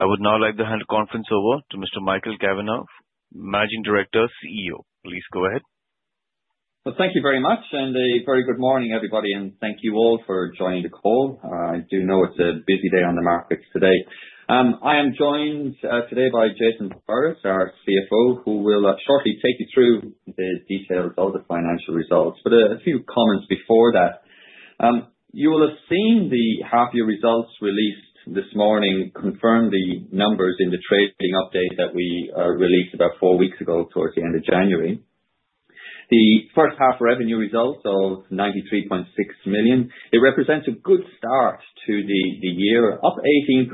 I would now like to hand the conference over to Mr. Michael Kavanagh, Managing Director, CEO. Please go ahead. Thank you very much, and a very good morning, everybody. Thank you all for joining the call. I do know it's a busy day on the markets today. I am joined today by Jason Burriss, our CFO, who will shortly take you through the details of the financial results. A few comments before that. You will have seen the half-year results released this morning confirm the numbers in the trading update that we released about four weeks ago, towards the end of January. The first-half revenue results of 93.6 million. It represents a good start to the year, up 18%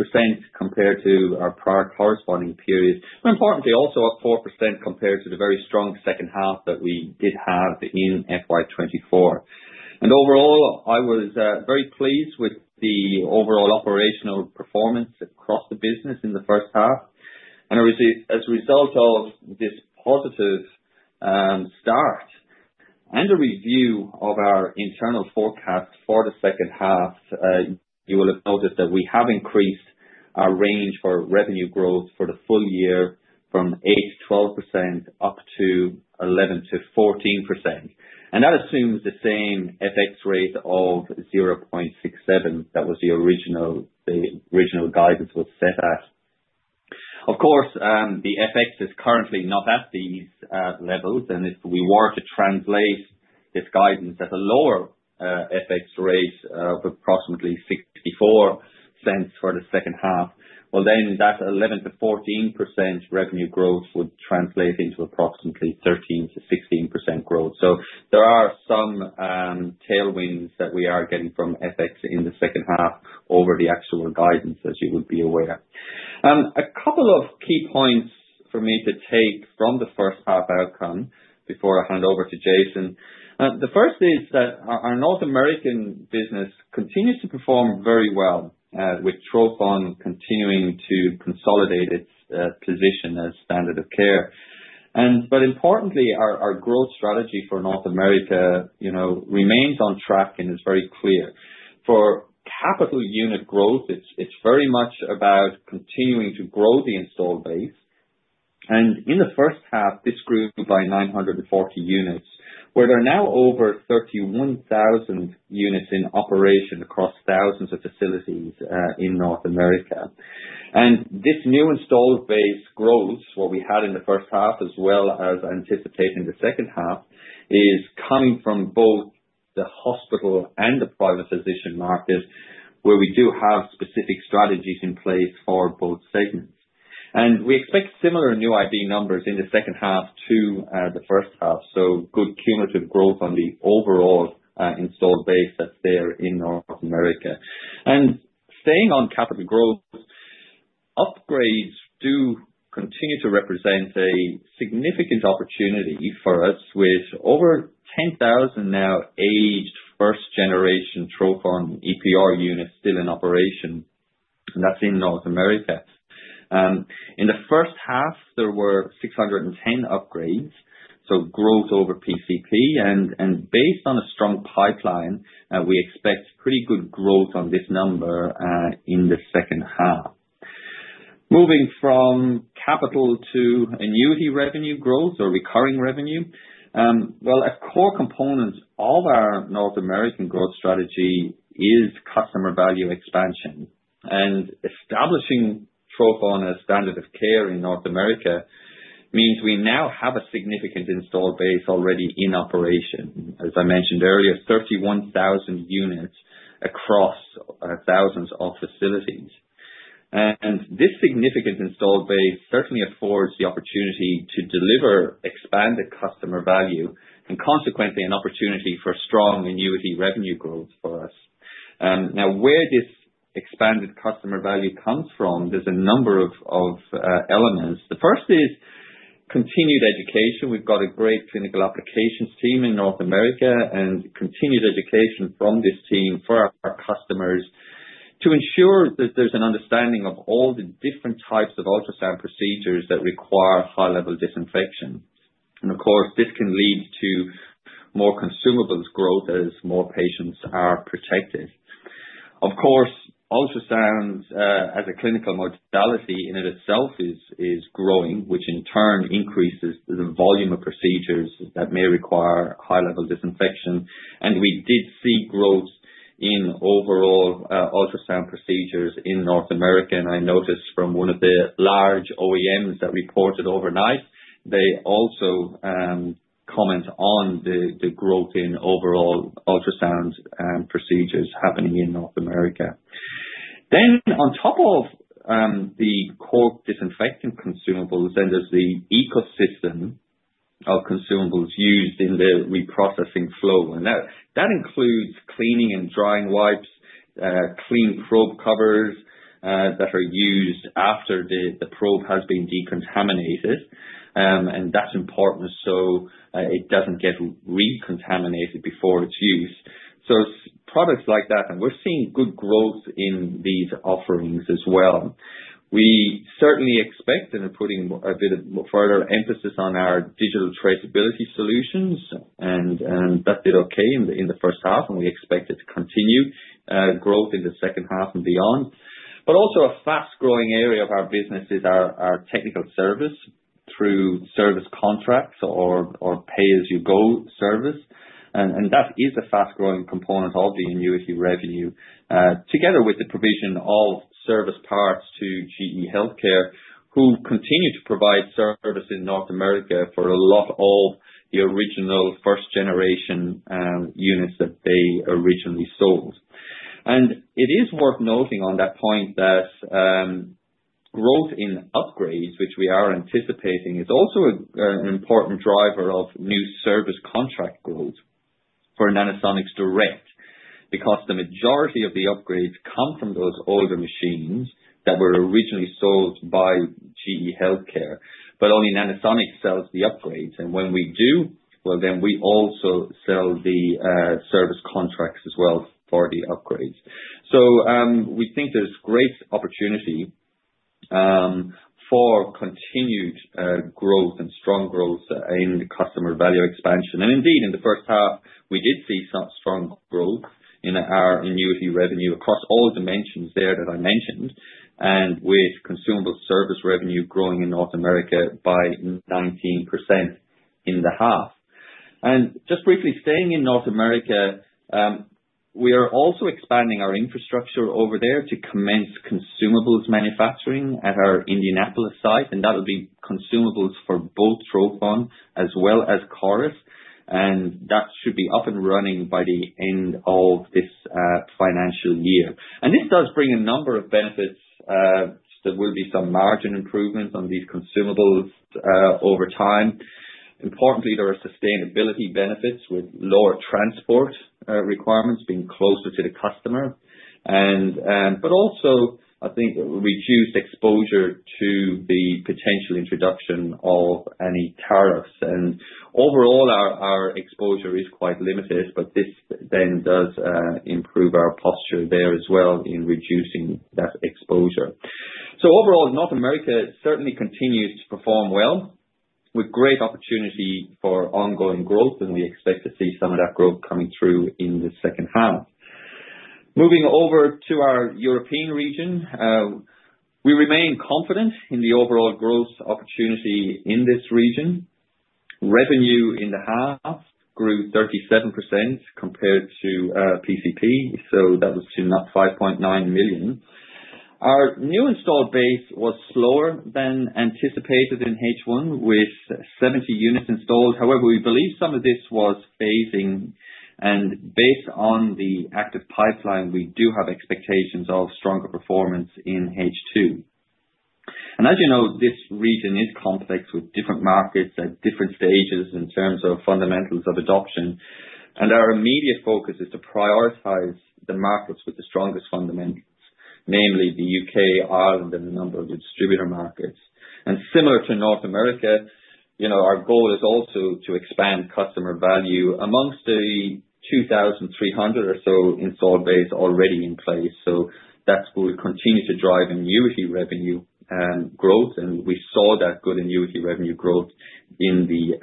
compared to our prior corresponding period. More importantly, also up 4% compared to the very strong second half that we did have in FY24. Overall, I was very pleased with the overall operational performance across the business in the first half. As a result of this positive start and a review of our internal forecast for the second half, you will have noticed that we have increased our range for revenue growth for the full year from eight%-12% up to 11%-14%. That assumes the same FX rate of 0.67 that the original guidance was set at. Of course, the FX is currently not at these levels. If we were to translate this guidance at a lower FX rate of approximately 0.64 for the second half, well, then that 11%-14% revenue growth would translate into approximately 13%-16% growth. There are some tailwinds that we are getting from FX in the second half over the actual guidance, as you would be aware. A couple of key points for me to take from the first-half outcome before I hand over to Jason. The first is that our North American business continues to perform very well, with Trophon continuing to consolidate its position as standard of care. But importantly, our growth strategy for North America remains on track and is very clear. For capital unit growth, it's very much about continuing to grow the installed base. And in the first half, this grew by 940 units, where there are now over 31,000 units in operation across thousands of facilities in North America. And this new installed base growth, what we had in the first half as well as anticipate in the second half, is coming from both the hospital and the private physician market, where we do have specific strategies in place for both segments. We expect similar new ID numbers in the second half to the first half, so good cumulative growth on the overall installed base that's there in North America. Staying on capital growth, upgrades do continue to represent a significant opportunity for us with over 10,000 now aged first-generation Trophon EPR units still in operation, and that's in North America. In the first half, there were 610 upgrades, so growth over PCP. Based on a strong pipeline, we expect pretty good growth on this number in the second half. Moving from capital to annuity revenue growth or recurring revenue, a core component of our North American growth strategy is customer value expansion. Establishing Trophon as standard of care in North America means we now have a significant installed base already in operation. As I mentioned earlier, 31,000 units across thousands of facilities. This significant installed base certainly affords the opportunity to deliver, expand the customer value, and consequently, an opportunity for strong annuity revenue growth for us. Now, where this expanded customer value comes from, there's a number of elements. The first is continued education. We've got a great clinical applications team in North America and continued education from this team for our customers to ensure that there's an understanding of all the different types of ultrasound procedures that require high-level disinfection. And of course, this can lead to more consumables growth as more patients are protected. Of course, ultrasound as a clinical modality in and of itself is growing, which in turn increases the volume of procedures that may require high-level disinfection. And we did see growth in overall ultrasound procedures in North America. And I noticed from one of the large OEMs that reported overnight, they also comment on the growth in overall ultrasound procedures happening in North America. Then, on top of the core disinfectant consumables, then there's the ecosystem of consumables used in the reprocessing flow. And that includes cleaning and drying wipes, clean probe covers that are used after the probe has been decontaminated. And that's important so it doesn't get recontaminated before its use. So it's products like that. And we're seeing good growth in these offerings as well. We certainly expect and are putting a bit of further emphasis on our digital traceability solutions. And that did okay in the first half, and we expect it to continue growth in the second half and beyond. But also, a fast-growing area of our business is our technical service through service contracts or pay-as-you-go service. That is a fast-growing component of the annuity revenue, together with the provision of service parts to GE Healthcare, who continue to provide service in North America for a lot of the original first-generation units that they originally sold. It is worth noting on that point that growth in upgrades, which we are anticipating, is also an important driver of new service contract growth for Nanosonics Direct because the majority of the upgrades come from those older machines that were originally sold by GE Healthcare. Only Nanosonics sells the upgrades. When we do, well, then we also sell the service contracts as well for the upgrades. We think there's great opportunity for continued growth and strong growth in customer value expansion. And indeed, in the first half, we did see some strong growth in our annuity revenue across all dimensions there that I mentioned, and with consumable service revenue growing in North America by 19% in the half. And just briefly, staying in North America, we are also expanding our infrastructure over there to commence consumables manufacturing at our Indianapolis site. And that would be consumables for both Trophon as well as CORIS. And that should be up and running by the end of this financial year. And this does bring a number of benefits. There will be some margin improvements on these consumables over time. Importantly, there are sustainability benefits with lower transport requirements being closer to the customer. But also, I think reduced exposure to the potential introduction of any tariffs. Overall, our exposure is quite limited, but this then does improve our posture there as well in reducing that exposure. So overall, North America certainly continues to perform well with great opportunity for ongoing growth, and we expect to see some of that growth coming through in the second half. Moving over to our European region, we remain confident in the overall growth opportunity in this region. Revenue in the half grew 37% compared to PCP, so that was to 5.9 million. Our new installed base was slower than anticipated in H1 with 70 units installed. However, we believe some of this was phasing. Based on the active pipeline, we do have expectations of stronger performance in H2. As you know, this region is complex with different markets at different stages in terms of fundamentals of adoption. Our immediate focus is to prioritize the markets with the strongest fundamentals, namely the UK, Ireland, and a number of the distributor markets. Similar to North America, our goal is also to expand customer value amongst the 2,300 or so installed base already in place. That will continue to drive annuity revenue growth. We saw that good annuity revenue growth in the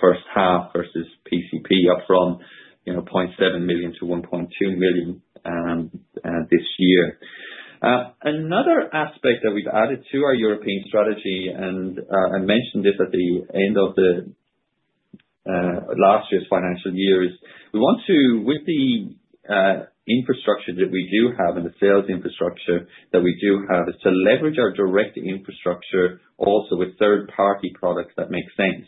first half versus PCP, up from 0.7 million-1.2 million this year. Another aspect that we've added to our European strategy, and I mentioned this at the end of last year's financial year, is we want to, with the infrastructure that we do have and the sales infrastructure that we do have, leverage our direct infrastructure also with third-party products that make sense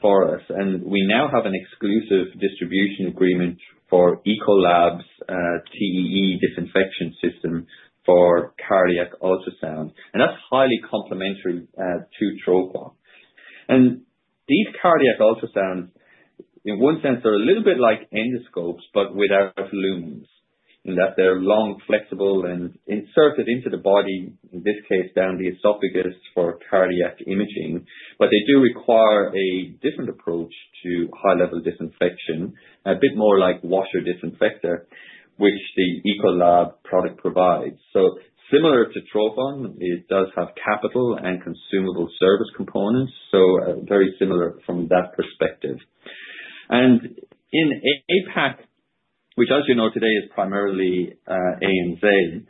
for us. We now have an exclusive distribution agreement for Ecolab's TEE disinfection system for cardiac ultrasound. That's highly complementary to Trophon. These cardiac ultrasounds, in one sense, are a little bit like endoscopes but without lumens, in that they're long, flexible, and inserted into the body, in this case, down the esophagus for cardiac imaging. They do require a different approach to high-level disinfection, a bit more like washer disinfector, which the Ecolab product provides. Similar to Trophon, it does have capital and consumable service components, so very similar from that perspective. In APAC, which, as you know, today is primarily ANZ,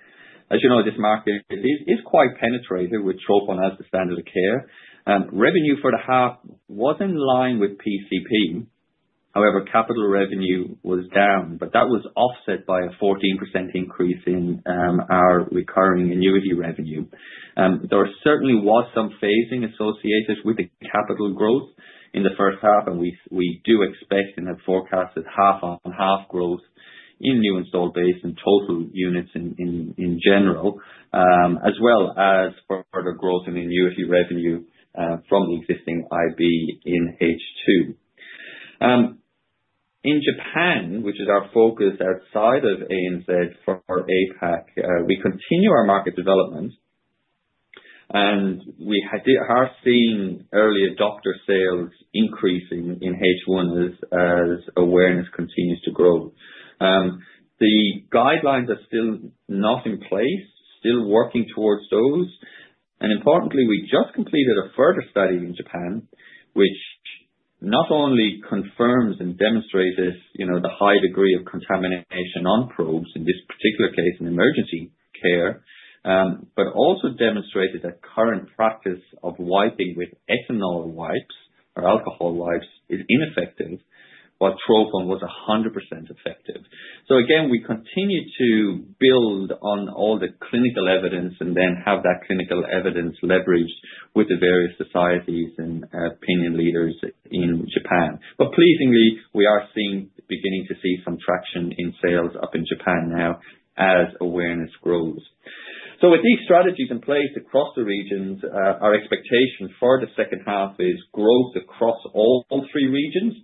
as you know, this market is quite penetrated with Trophon as the standard of care. Revenue for the half was in line with PCP. However, capital revenue was down, but that was offset by a 14% increase in our recurring annuity revenue. There certainly was some phasing associated with the capital growth in the first half, and we do expect and have forecasted half-on-half growth in new installed base and total units in general, as well as further growth in annuity revenue from the existing IB in H2. In Japan, which is our focus outside of ANZ for APAC, we continue our market development, and we are seeing early adopter sales increasing in H1 as awareness continues to grow. The guidelines are still not in place, still working towards those, and importantly, we just completed a further study in Japan, which not only confirms and demonstrates the high degree of contamination on probes, in this particular case in emergency care, but also demonstrated that current practice of wiping with ethanol wipes or alcohol wipes is ineffective, while Trophon was 100% effective. So again, we continue to build on all the clinical evidence and then have that clinical evidence leveraged with the various societies and opinion leaders in Japan. But pleasingly, we are beginning to see some traction in sales up in Japan now as awareness grows. So with these strategies in place across the regions, our expectation for the second half is growth across all three regions,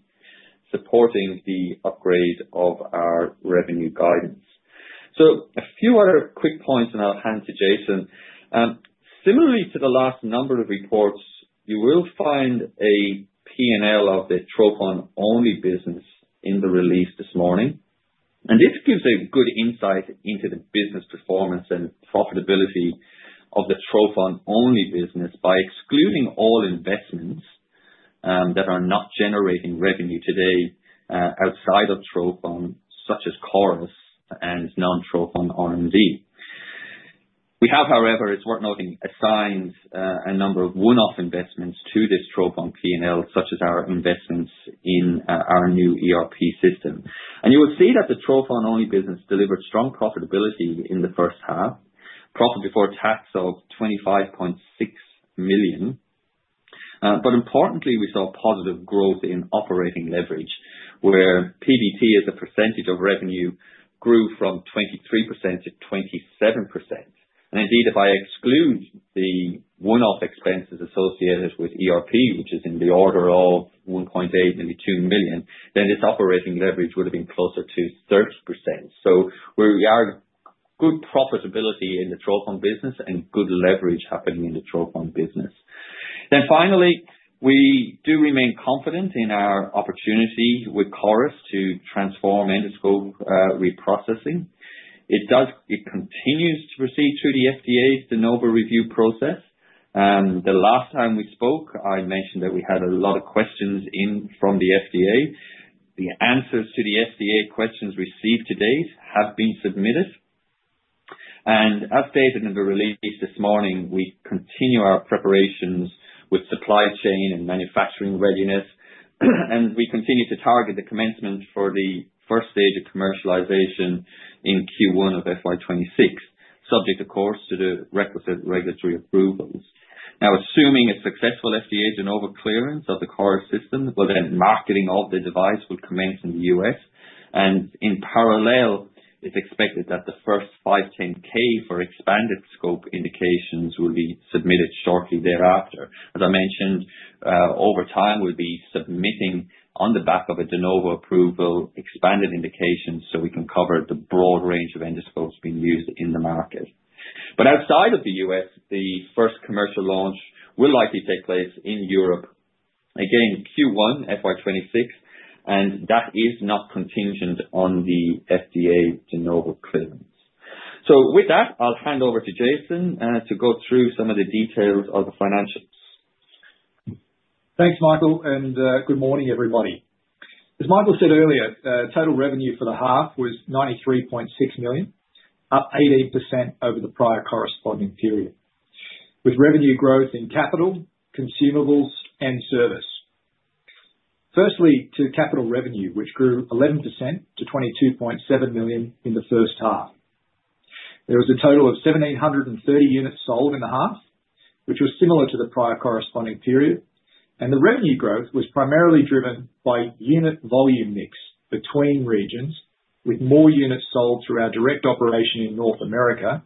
supporting the upgrade of our revenue guidance. So a few other quick points that I'll hand to Jason. Similarly to the last number of reports, you will find a P&L of the Trophon-only business in the release this morning. And this gives a good insight into the business performance and profitability of the Trophon-only business by excluding all investments that are not generating revenue today outside of Trophon, such as CORIS and non-Trophon R&D. We have, however (it's worth noting), assigned a number of one-off investments to this Trophon P&L, such as our investments in our new ERP system, and you will see that the Trophon-only business delivered strong profitability in the first half, profit before tax of 25.6 million, but importantly, we saw positive growth in operating leverage, where PBT, as a percentage of revenue, grew from 23%-27%, and indeed, if I exclude the one-off expenses associated with ERP, which is in the order of 1.8 million, maybe 2 million, then this operating leverage would have been closer to 30%, so we are good profitability in the Trophon business and good leverage happening in the Trophon business, then finally, we do remain confident in our opportunity with Coris to transform endoscope reprocessing. It continues to proceed through the FDA's De Novo review process. The last time we spoke, I mentioned that we had a lot of questions in from the FDA. The answers to the FDA questions received to date have been submitted. As stated in the release this morning, we continue our preparations with supply chain and manufacturing readiness. We continue to target the commencement for the first stage of commercialization in Q1 of FY26, subject, of course, to the requisite regulatory approvals. Now, assuming a successful FDA De Novo clearance of the CORIS system, well, then marketing of the device will commence in the US. In parallel, it's expected that the first 510(k) for expanded scope indications will be submitted shortly thereafter. As I mentioned, over time, we'll be submitting on the back of a De Novo approval expanded indications so we can cover the broad range of endoscopes being used in the market. But outside of the U.S., the first commercial launch will likely take place in Europe, again, Q1 FY26. And that is not contingent on the FDA De Novo clearance. So with that, I'll hand over to Jason to go through some of the details of the financials. Thanks, Michael. Good morning, everybody. As Michael said earlier, total revenue for the half was 93.6 million, up 88% over the prior corresponding period, with revenue growth in capital, consumables, and service. Firstly, to capital revenue, which grew 11% to 22.7 million in the first half. There was a total of 1,730 units sold in the half, which was similar to the prior corresponding period. And the revenue growth was primarily driven by unit volume mix between regions, with more units sold through our direct operation in North America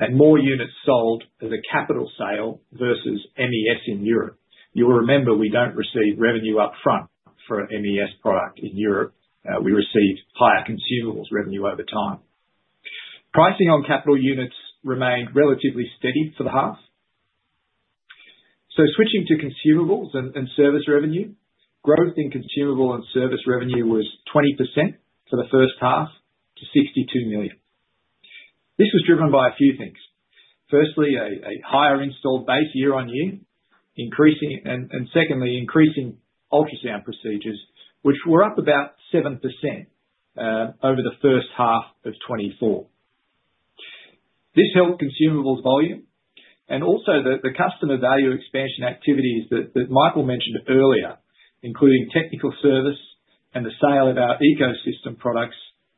and more units sold as a capital sale versus MES in Europe. You will remember we don't receive revenue upfront for an MES product in Europe. We receive higher consumables revenue over time. Pricing on capital units remained relatively steady for the half. Switching to consumables and service revenue, growth in consumables and service revenue was 20% for the first half to 62 million. This was driven by a few things. Firstly, a higher installed base year on year, and secondly, increasing ultrasound procedures, which were up about 7% over the first half of 2024. This helped consumables volume, and also, the customer value expansion activities that Michael mentioned earlier, including technical service and the sale of our ecosystem products,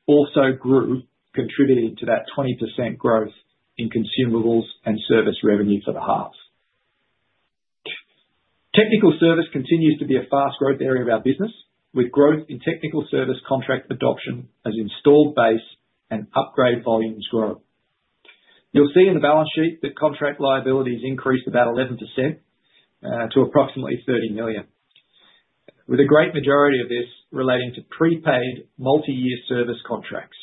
also grew, contributing to that 20% growth in consumables and service revenue for the half. Technical service continues to be a fast-growth area of our business, with growth in technical service contract adoption as installed base and upgrade volumes growing. You'll see in the balance sheet that contract liabilities increased about 11% to approximately 30 million, with a great majority of this relating to prepaid multi-year service contracts,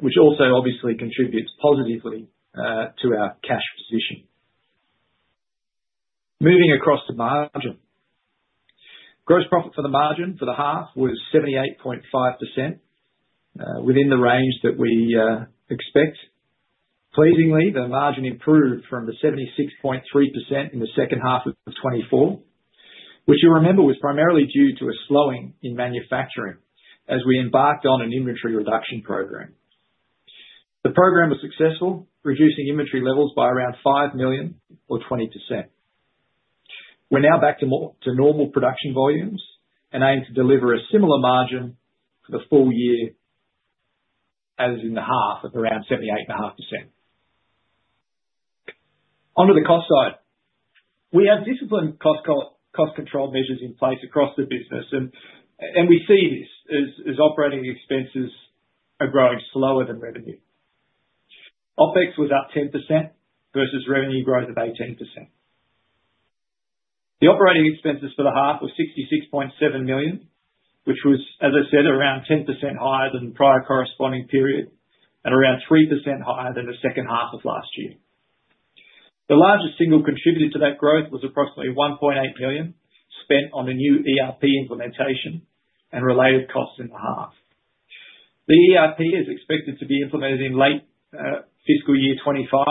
which also obviously contributes positively to our cash position. Moving across to margin, gross profit for the margin for the half was 78.5%, within the range that we expect. Pleasingly, the margin improved from the 76.3% in the second half of 2024, which, you'll remember, was primarily due to a slowing in manufacturing as we embarked on an inventory reduction program. The program was successful, reducing inventory levels by around 5 million or 20%. We're now back to normal production volumes and aim to deliver a similar margin for the full year as in the half of around 78.5%. Onto the cost side, we have disciplined cost control measures in place across the business, and we see this as operating expenses are growing slower than revenue. OPEX was up 10% versus revenue growth of 18%. The operating expenses for the half were 66.7 million, which was, as I said, around 10% higher than the prior corresponding period and around 3% higher than the second half of last year. The largest single contributor to that growth was approximately 1.8 million spent on a new ERP implementation and related costs in the half. The ERP is expected to be implemented in late fiscal year 2025,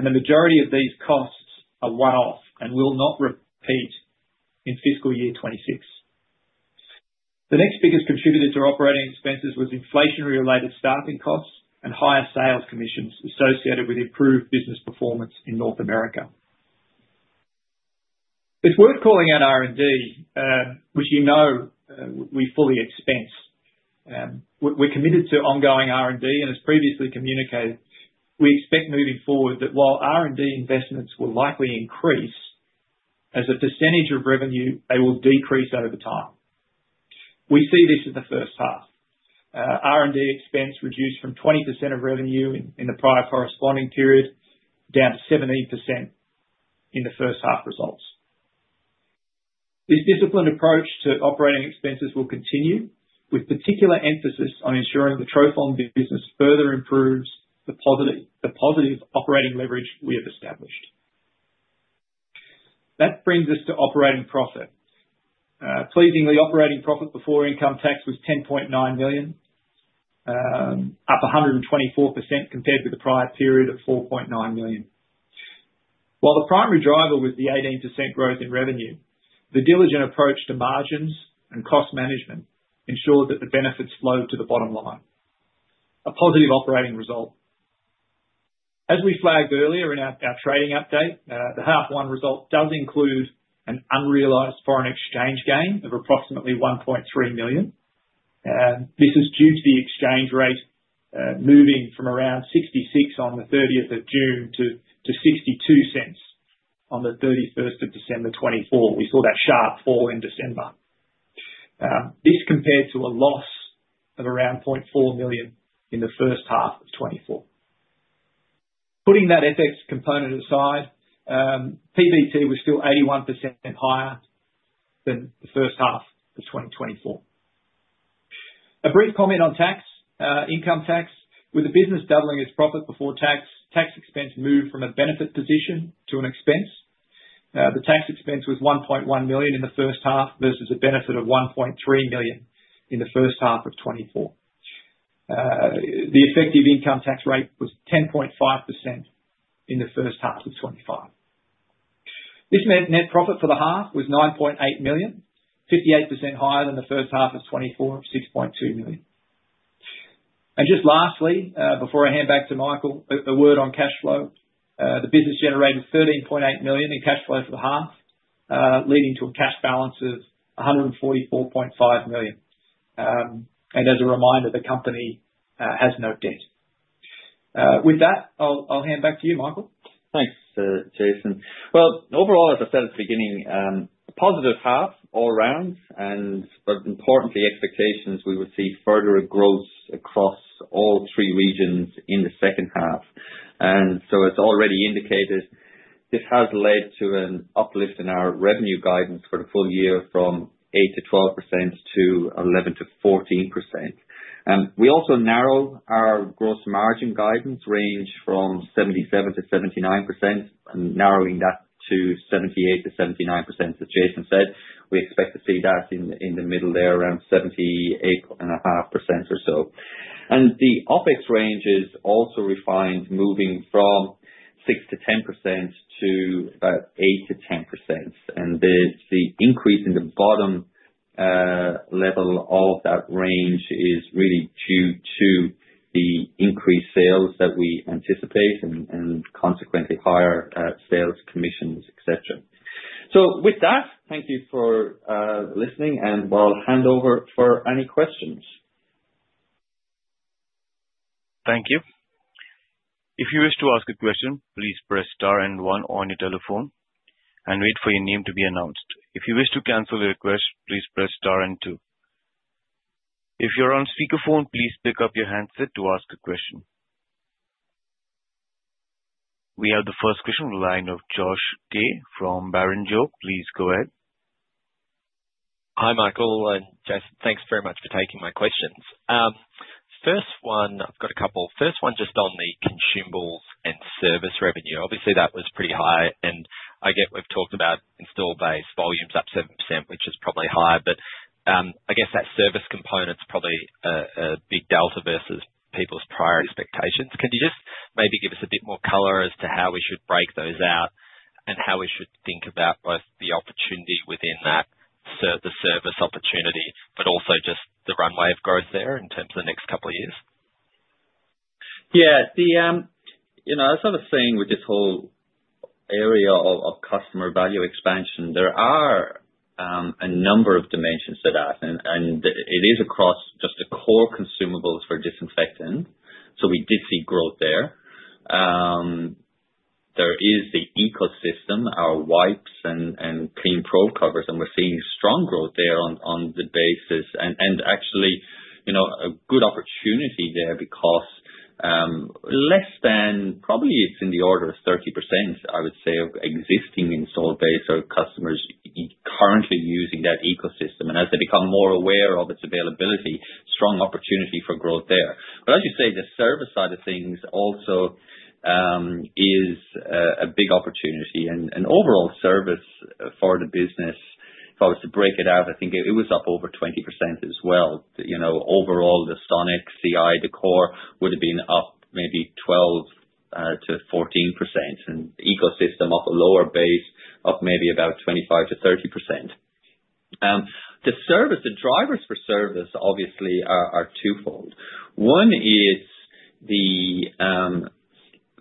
and the majority of these costs are one-off and will not repeat in fiscal year 2026. The next biggest contributor to operating expenses was inflation-related staffing costs and higher sales commissions associated with improved business performance in North America. It's worth calling out R&D, which you know we fully expense. We're committed to ongoing R&D, and as previously communicated, we expect moving forward that while R&D investments will likely increase, as a percentage of revenue, they will decrease over time. We see this in the first half. R&D expense reduced from 20% of revenue in the prior corresponding period down to 17% in the first half results. This disciplined approach to operating expenses will continue, with particular emphasis on ensuring the Trophon business further improves the positive operating leverage we have established. That brings us to operating profit. Pleasingly, operating profit before income tax was 10.9 million, up 124% compared with the prior period of 4.9 million. While the primary driver was the 18% growth in revenue, the diligent approach to margins and cost management ensured that the benefits flowed to the bottom line, a positive operating result. As we flagged earlier in our trading update, the H1 result does include an unrealized foreign exchange gain of approximately 1.3 million. This is due to the exchange rate moving from around 66 on the 30th of June to 62 cents on the 31st of December 2024. We saw that sharp fall in December. This compared to a loss of around 0.4 million in the first half of 2024. Putting that FX component aside, PBT was still 81% higher than the first half of 2024. A brief comment on tax, income tax. With the business doubling its profit before tax, tax expense moved from a benefit position to an expense. The tax expense was 1.1 million in the first half versus a benefit of 1.3 million in the first half of 2024. The effective income tax rate was 10.5% in the first half of 2025. This meant net profit for the half was 9.8 million, 58% higher than the first half of 2024 of 6.2 million. And just lastly, before I hand back to Michael, a word on cash flow. The business generated AUD 13.8 million in cash flow for the half, leading to a cash balance of AUD 144.5 million. And as a reminder, the company has no debt. With that, I'll hand back to you, Michael. Thanks, Jason. Overall, as I said at the beginning, positive half all round. Importantly, expectations we would see further growth across all three regions in the second half. As already indicated, this has led to an uplift in our revenue guidance for the full year from 8-12% to 11-14%. We also narrowed our gross margin guidance range from 77-79% and narrowing that to 78-79%, as Jason said. We expect to see that in the middle there, around 78.5% or so. The OPEX range is also refined, moving from 6-10% to about 8-10%. The increase in the bottom level of that range is really due to the increased sales that we anticipate and consequently higher sales commissions, etc. So with that, thank you for listening, and I'll hand over for any questions. Thank you. If you wish to ask a question, please press star and one on your telephone and wait for your name to be announced. If you wish to cancel a request, please press star and two. If you're on speakerphone, please pick up your handset to ask a question. We have the first question from the line of Josh Kannourakis from Barrenjoey. Please go ahead. Hi, Michael and Jason, thanks very much for taking my questions. First one, I've got a couple. First one just on the consumables and service revenue. Obviously, that was pretty high. And I get we've talked about installed base volumes up 7%, which is probably high. But I guess that service component's probably a big delta versus people's prior expectations. Can you just maybe give us a bit more color as to how we should break those out and how we should think about both the opportunity within that, the service opportunity, but also just the runway of growth there in terms of the next couple of years? Yeah. As I was saying with this whole area of customer value expansion, there are a number of dimensions to that. And it is across just the core consumables for disinfectant. So we did see growth there. There is the ecosystem, our wipes and clean probe covers. And we're seeing strong growth there on the basis. And actually, a good opportunity there because less than probably it's in the order of 30%, I would say, of existing installed base or customers currently using that ecosystem. And as they become more aware of its availability, strong opportunity for growth there. But as you say, the service side of things also is a big opportunity. And overall service for the business, if I was to break it out, I think it was up over 20% as well. Overall, the sales in Q1, the core would have been up maybe 12%-14%, and the ecosystem off a lower base of maybe about 25%-30%. The drivers for service, obviously, are twofold. One is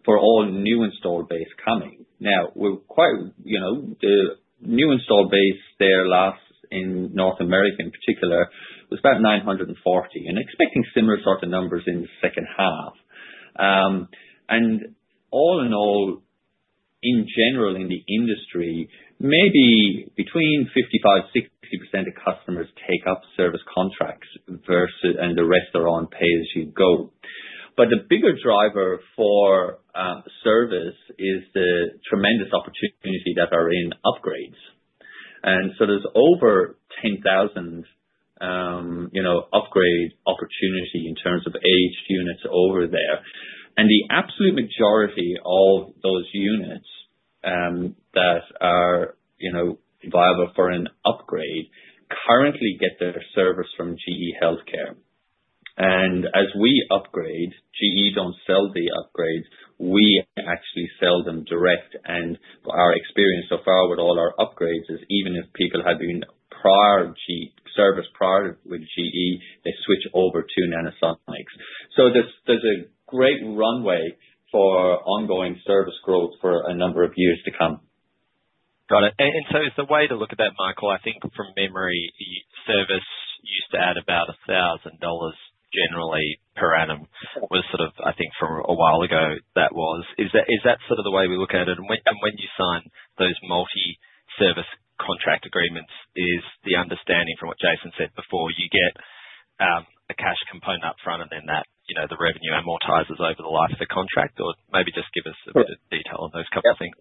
for all new installed base coming. Now, the new installed base there last in North America in particular was about 940, and expecting similar sort of numbers in the second half, and all in all, in general, in the industry, maybe between 55%-60% of customers take up service contracts and the rest are on pay-as-you-go, but the bigger driver for service is the tremendous opportunity that are in upgrades, and so there's over 10,000 upgrade opportunity in terms of aged units over there, and the absolute majority of those units that are viable for an upgrade currently get their service from GE Healthcare. And as we upgrade, GE don't sell the upgrades. We actually sell them direct. And our experience so far with all our upgrades is even if people have been prior service with GE, they switch over to Nanosonics. So there's a great runway for ongoing service growth for a number of years to come. Got it. And so it's the way to look at that, Michael. I think from memory, service used to add about 1,000 dollars generally per annum was sort of, I think, from a while ago that was. Is that sort of the way we look at it? And when you sign those multi-service contract agreements, is the understanding from what Jason said before, you get a cash component up front and then the revenue amortizes over the life of the contract? Or maybe just give us a bit of detail on those couple of things.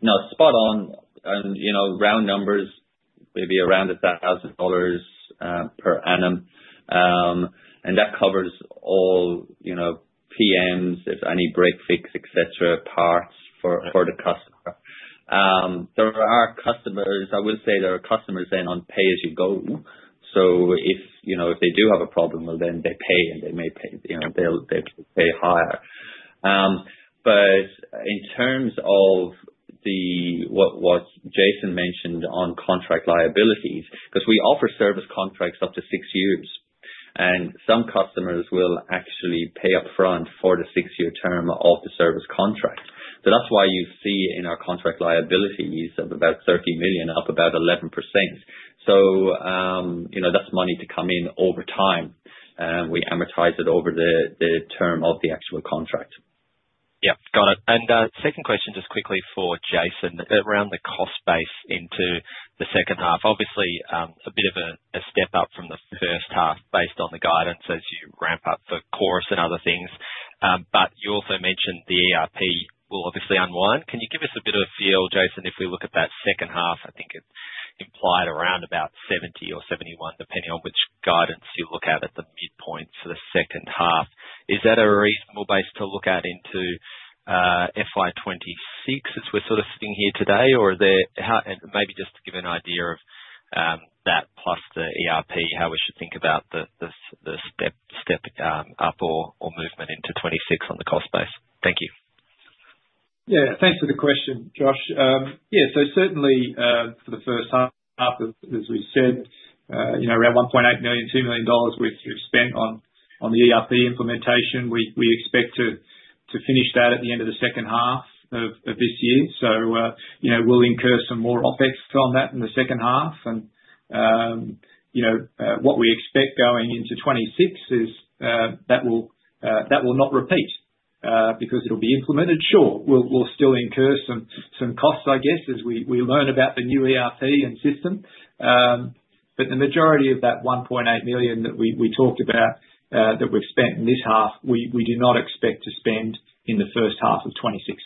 No, spot on. And round numbers, maybe around 1,000 dollars per annum. And that covers all PMs, if any break fix, etc., parts for the customer. There are customers, I will say, there are customers then on pay-as-you-go. So if they do have a problem, well, then they pay and they may pay higher. But in terms of what Jason mentioned on contract liabilities, because we offer service contracts up to six years, and some customers will actually pay upfront for the six-year term of the service contract. So that's why you see in our contract liabilities of about 30 million up about 11%. So that's money to come in over time. We amortize it over the term of the actual contract. Yeah. Got it. And second question just quickly for Jason around the cost base into the second half. Obviously, a bit of a step up from the first half based on the guidance as you ramp up for CORIS and other things. But you also mentioned the ERP will obviously unwind. Can you give us a bit of a feel, Jason, if we look at that second half? I think it implied around about 70 or 71, depending on which guidance you look at at the midpoint for the second half. Is that a reasonable base to look at into FY 2026 as we're sort of sitting here today? Or maybe just to give an idea of that plus the ERP, how we should think about the step up or movement into 2026 on the cost base. Thank you. Yeah. Thanks for the question, Josh. Yeah. So certainly for the first half, as we said, around 1.8 million-2 million dollars we've spent on the ERP implementation. We expect to finish that at the end of the second half of this year. So we'll incur some more OpEx on that in the second half. And what we expect going into 2026 is that will not repeat because it'll be implemented. Sure, we'll still incur some costs, I guess, as we learn about the new ERP and system. But the majority of that 1.8 million that we talked about that we've spent in this half, we do not expect to spend in the first half of 2026.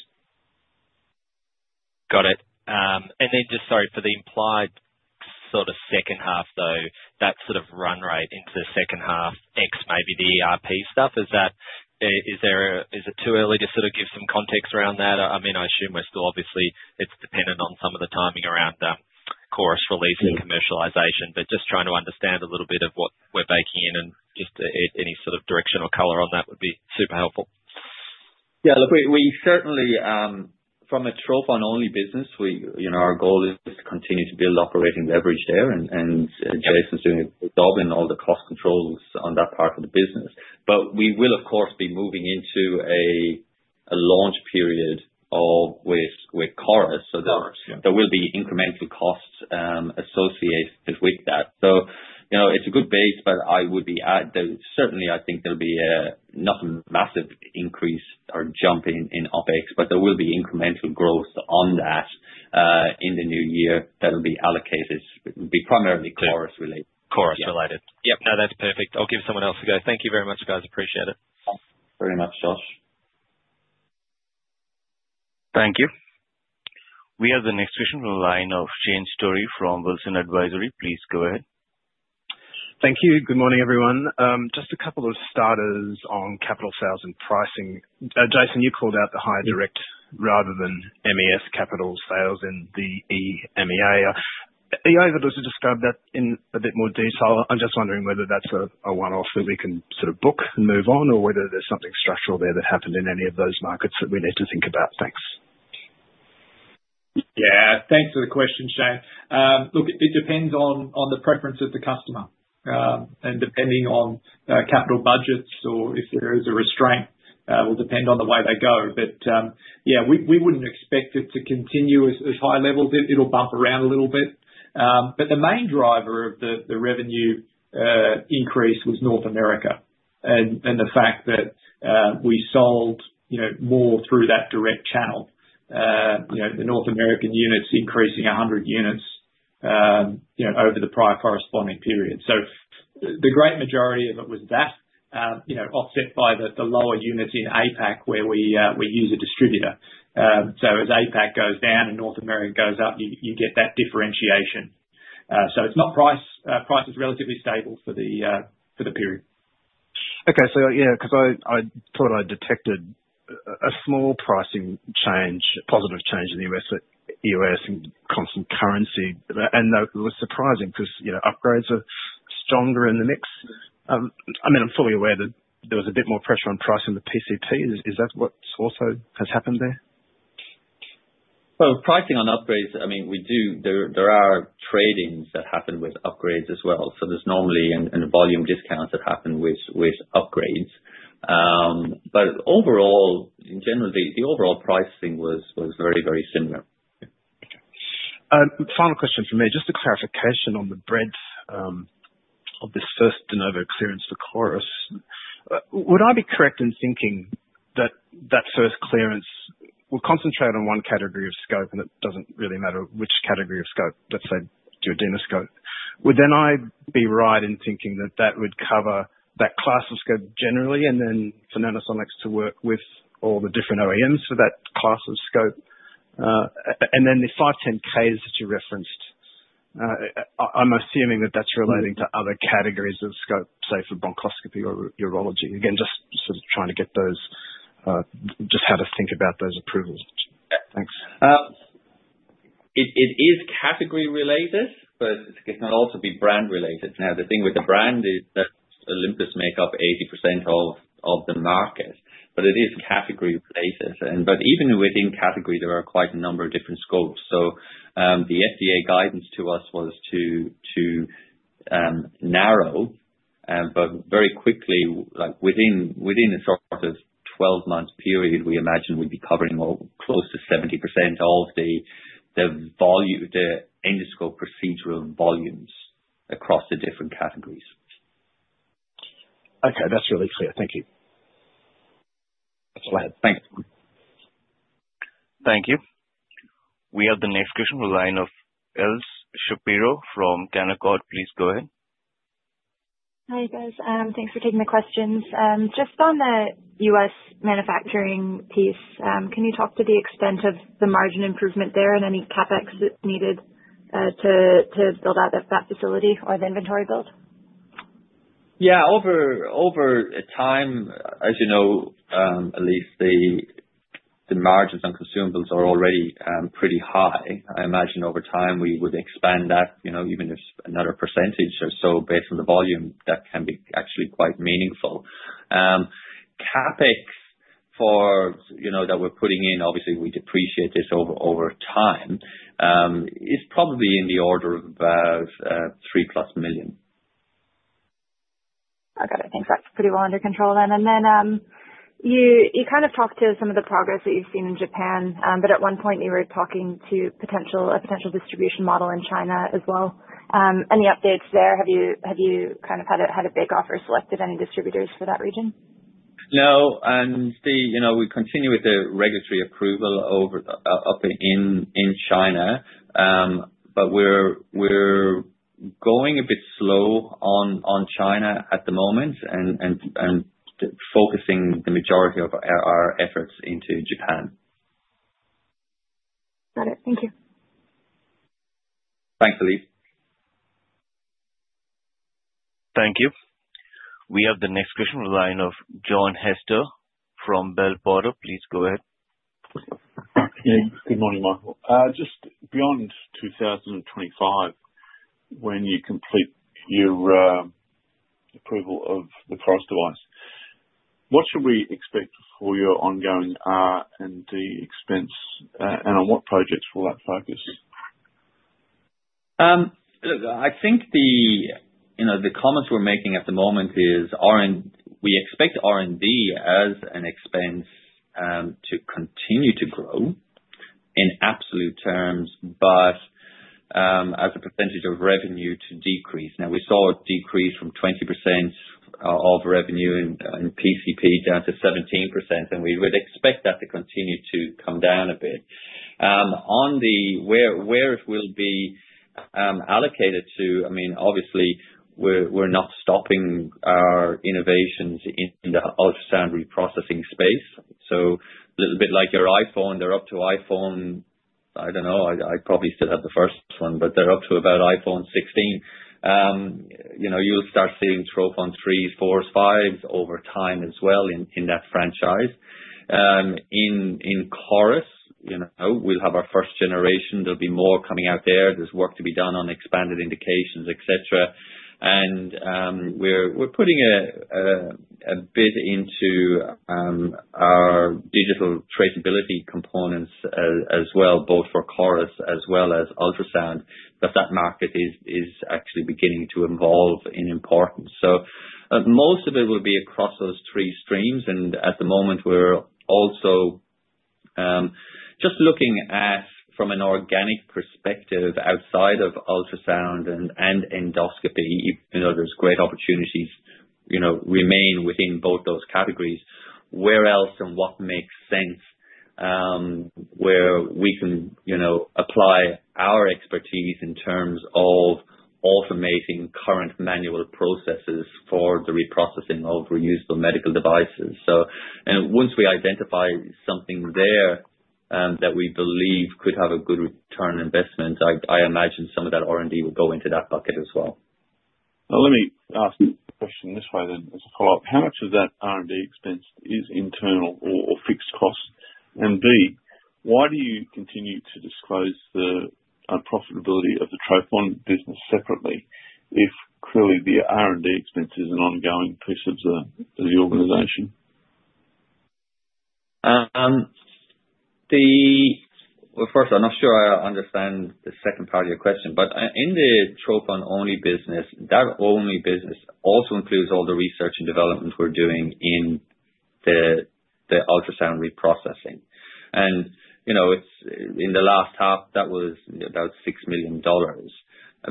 Got it. And then just sorry for the implied sort of second half, though, that sort of run rate into the second half, ex maybe the ERP stuff, is it too early to sort of give some context around that? I mean, I assume we're still obviously it's dependent on some of the timing around CORIS release and commercialization. But just trying to understand a little bit of what we're baking in and just any sort of direction or color on that would be super helpful. Yeah. Look, we certainly, from a Trophon-only business, our goal is to continue to build operating leverage there. And Jason's doing a good job in all the cost controls on that part of the business. But we will, of course, be moving into a launch period with CORIS. So there will be incremental costs associated with that. So it's a good base, but I would certainly, I think, there'll be not a massive increase or jump in OPEX, but there will be incremental growth on that in the new year that'll be allocated. It'll be primarily CORIS-related. CORIS-related. Yep. No, that's perfect. I'll give someone else a go. Thank you very much, guys. Appreciate it. Thanks very much, Josh. Thank you. We have the next question from the line of Shane Storey from Wilsons Advisory. Please go ahead. Thank you. Good morning, everyone. Just a couple of starters on capital sales and pricing. Jason, you called out the high direct rather than MES capital sales in the EMEA. Can you describe that in a bit more detail. I'm just wondering whether that's a one-off that we can sort of book and move on or whether there's something structural there that happened in any of those markets that we need to think about. Thanks. Yeah. Thanks for the question, Shane. Look, it depends on the preference of the customer. And depending on capital budgets or if there is a restraint, it will depend on the way they go. But yeah, we wouldn't expect it to continue as high levels. It'll bump around a little bit. But the main driver of the revenue increase was North America and the fact that we sold more through that direct channel, the North American units increasing 100 units over the prior corresponding period. So the great majority of it was that offset by the lower units in APAC where we use a distributor. So as APAC goes down and North America goes up, you get that differentiation. So it's not price. Price is relatively stable for the period. Okay. So yeah, because I thought I detected a small pricing change, positive change in the U.S. and constant currency. And it was surprising because upgrades are stronger in the mix. I mean, I'm fully aware that there was a bit more pressure on pricing the PCP. Is that what also has happened there? Pricing on upgrades, I mean, we do. There are trade-ins that happen with upgrades as well. There's normally a volume discount that happens with upgrades. But overall, in general, the overall pricing was very, very similar. Okay. Final question for me. Just a clarification on the breadth of this first De Novo clearance for CORIS. Would I be correct in thinking that that first clearance will concentrate on one category of scope and it doesn't really matter which category of scope, let's say, your duodenoscope? Would then I be right in thinking that that would cover that class of scope generally and then for Nanosonics to work with all the different OEMs for that class of scope? And then the 510(k)s that you referenced, I'm assuming that that's relating to other categories of scope, say, for bronchoscopy or urology. Again, just sort of trying to get those just how to think about those approvals. Thanks. It is category related, but it can also be brand related. Now, the thing with the brand is that Olympus make up 80% of the market. But it is category related. But even within category, there are quite a number of different scopes. So the FDA guidance to us was to narrow, but very quickly, within a sort of 12-month period, we imagine we'd be covering close to 70% of the endoscope procedural volumes across the different categories. Okay. That's really clear. Thank you. Go ahead. Thanks. Thank you. We have the next question from the line of Elyse Shapiro from Canaccord. Please go ahead. Hi, guys. Thanks for taking the questions. Just on the U.S. manufacturing piece, can you talk to the extent of the margin improvement there and any CapEx needed to build out that facility or the inventory build? Yeah. Over time, as you know, at least the margins on consumables are already pretty high. I imagine over time we would expand that even if another percentage or so based on the volume, that can be actually quite meaningful. CapEx that we're putting in, obviously, we depreciate this over time. It's probably in the order of about 3-plus million. I got it. Thanks. That's pretty well under control then. And then you kind of talked to some of the progress that you've seen in Japan, but at one point you were talking to a potential distribution model in China as well. Any updates there? Have you kind of had a bigger offer or selected any distributors for that region? No. And we continue with the regulatory approval up in China, but we're going a bit slow on China at the moment and focusing the majority of our efforts into Japan. Got it. Thank you. Thanks, Elise. Thank you. We have the next question from the line of John Hester from Bell Potter. Please go ahead. Good morning, Michael. Just beyond 2025, when you complete your approval of the CORIS device, what should we expect for your ongoing R&D expense and on what projects will that focus? Look, I think the comments we're making at the moment is we expect R&D as an expense to continue to grow in absolute terms, but as a percentage of revenue to decrease. Now, we saw it decrease from 20% of revenue in PCP down to 17%, and we would expect that to continue to come down a bit. On where it will be allocated to, I mean, obviously, we're not stopping our innovations in the ultrasound reprocessing space. So a little bit like your iPhone, they're up to iPhone, I don't know. I probably still have the first one, but they're up to about iPhone 16. You'll start seeing Trophon 3s, 4s, 5s over time as well in that franchise. In CORIS, we'll have our first generation. There'll be more coming out there. There's work to be done on expanded indications, etc. And we're putting a bid into our digital traceability components as well, both for CORIS as well as ultrasound, that market is actually beginning to evolve in importance. So most of it will be across those three streams. And at the moment, we're also just looking at from an organic perspective outside of ultrasound and endoscopy, there's great opportunities remain within both those categories. Where else and what makes sense where we can apply our expertise in terms of automating current manual processes for the reprocessing of reusable medical devices? So once we identify something there that we believe could have a good return on investment, I imagine some of that R&D will go into that bucket as well. Let me ask you a question this way then as a follow-up. How much of that R&D expense is internal or fixed cost? And B, why do you continue to disclose the profitability of the Trophon business separately if clearly the R&D expense is an ongoing piece of the organization? First, I'm not sure I understand the second part of your question. But in the Trophon-only business, that only business also includes all the research and development we're doing in the ultrasound reprocessing. And in the last half, that was about 6 million dollars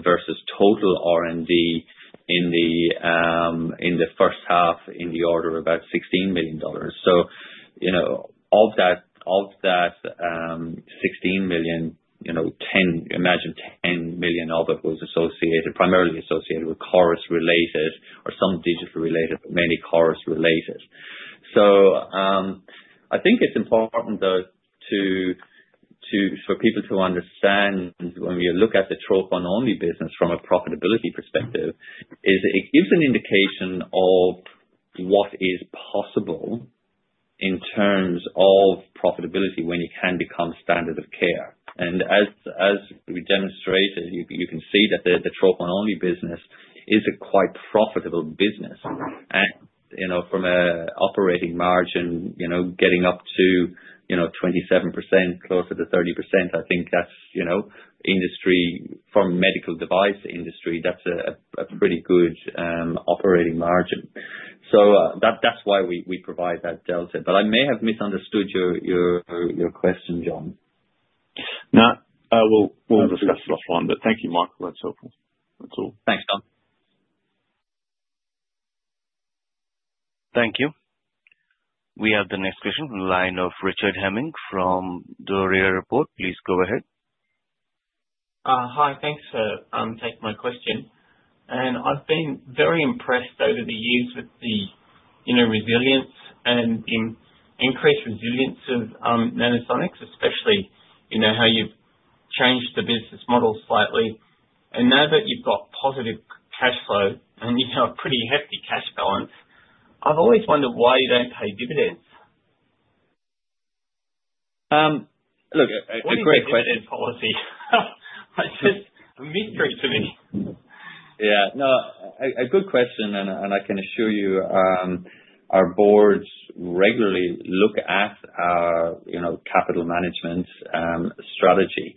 versus total R&D in the first half in the order of about 16 million dollars. So of that 16 million, imagine 10 million of it was primarily associated with CORIS-related or some digital-related, but mainly CORIS-related. So I think it's important for people to understand when we look at the Trophon-only business from a profitability perspective, it gives an indication of what is possible in terms of profitability when it can become standard of care. And as we demonstrated, you can see that the Trophon-only business is a quite profitable business. From an operating margin, getting up to 27%, closer to 30%, I think that's industry from medical device industry, that's a pretty good operating margin. So that's why we provide that delta. But I may have misunderstood your question, John. No. We'll discuss the last one. But thank you, Michael. That's all. That's all. Thanks, John. Thank you. We have the next question from the line of Richard Hemming from Under the Radar Report. Please go ahead. Hi. Thanks for taking my question. And I've been very impressed over the years with the resilience and increased resilience of Nanosonics, especially how you've changed the business model slightly. And now that you've got positive cash flow and a pretty hefty cash balance, I've always wondered why you don't pay dividends? Look, a great question. What's a dividend policy? It's a mystery to me. Yeah. No, a good question. I can assure you our boards regularly look at our capital management strategy.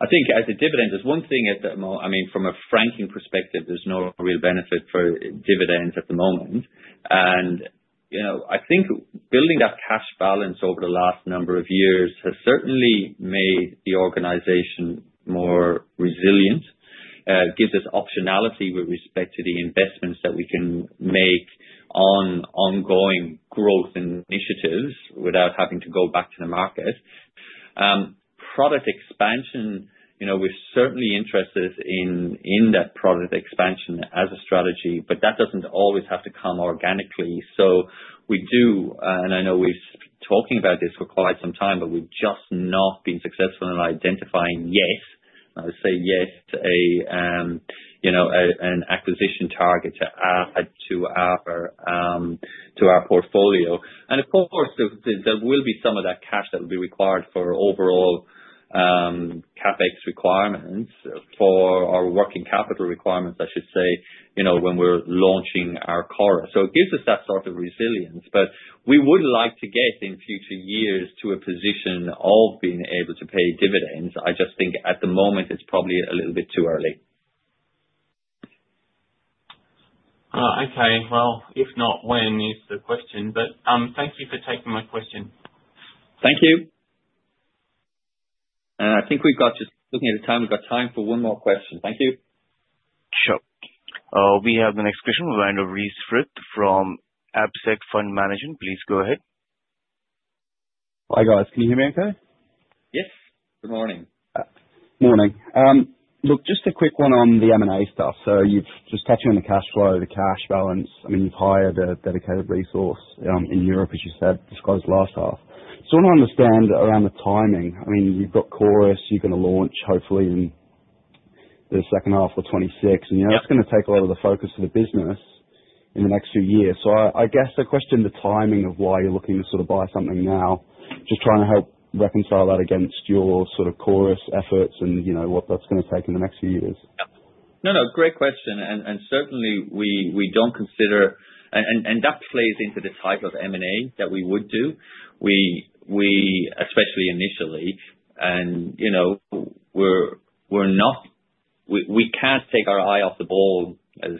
I think as a dividend, there's one thing at the moment. I mean, from a franking perspective, there's no real benefit for dividends at the moment. I think building that cash balance over the last number of years has certainly made the organization more resilient. It gives us optionality with respect to the investments that we can make in ongoing growth initiatives without having to go back to the market. Product expansion, we're certainly interested in that product expansion as a strategy, but that doesn't always have to come organically. So we do, and I know we've been talking about this for quite some time, but we've just not been successful in identifying yes, I would say yes, an acquisition target to add to our portfolio. Of course, there will be some of that cash that will be required for overall CapEx requirements for our working capital requirements, I should say, when we're launching our CORIS. It gives us that sort of resilience. We would like to get in future years to a position of being able to pay dividends. I just think at the moment it's probably a little bit too early. Okay. Well, if not, when is the question? But thank you for taking my question. Thank you. And I think we've got, just looking at the time, we've got time for one more question. Thank you. Sure. We have the next question from the line of Reece Frith from APSEC Funds Management. Please go ahead. Hi, guys. Can you hear me okay? Yes. Good morning. Morning. Look, just a quick one on the M&A stuff. So you've just touched on the cash flow, the cash balance. I mean, you've hired a dedicated resource in Europe, as you said, disclosed last half. So I want to understand around the timing. I mean, you've got CORIS. You're going to launch hopefully in the second half of 2026. And that's going to take a lot of the focus of the business in the next few years. So I guess the question, the timing of why you're looking to sort of buy something now, just trying to help reconcile that against your sort of CORIS efforts and what that's going to take in the next few years. No, no. Great question. And certainly, we don't consider and that plays into the type of M&A that we would do, especially initially. And we can't take our eye off the ball, as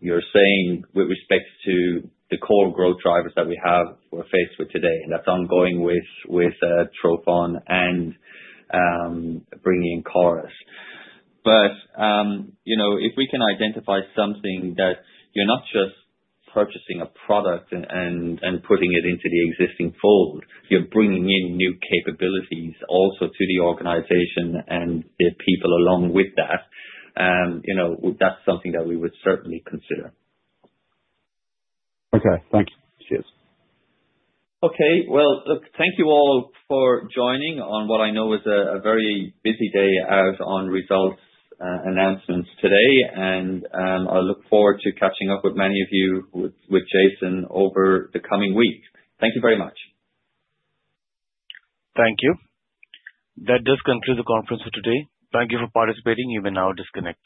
you're saying, with respect to the core growth drivers that we're faced with today. And that's ongoing with Trophon and bringing in CORIS. But if we can identify something that you're not just purchasing a product and putting it into the existing fold, you're bringing in new capabilities also to the organization and the people along with that, that's something that we would certainly consider. Okay. Thank you. Cheers. Okay. Well, look, thank you all for joining on what I know is a very busy day out on results announcements today. And I look forward to catching up with many of you with Jason over the coming week. Thank you very much. Thank you. That does conclude the conference for today. Thank you for participating. You may now disconnect.